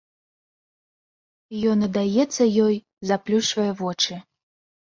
Ён аддаецца ёй, заплюшчвае вочы.